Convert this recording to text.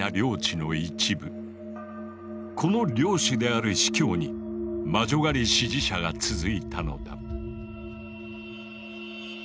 この領主である司教に魔女狩り支持者が続いたのだ。